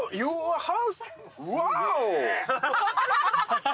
ハハハハ！